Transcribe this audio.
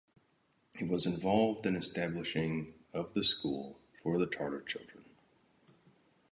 He was involved in the establishing of the school for the Tatar children.